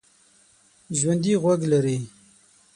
ژوندي غوږ لري